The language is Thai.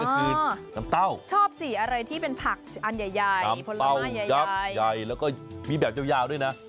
ข้อชอบสีอะไรที่เป็นผักอันใหญ่แล้วก็มีแบบยาวด้วยนะ